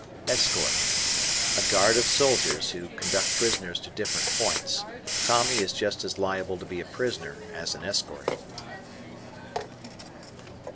Escort. A guard of soldiers who conduct prisoners to different points. Tommy is just as liable to be a prisoner as an escort.